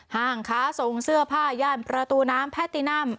ห้างค้าส่งเสื้อผ้าย่านประตูน้ำแพทตินัม